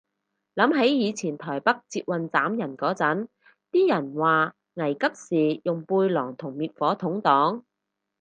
諗起以前台北捷運斬人嗰陣，啲人話危急時用背囊同滅火筒擋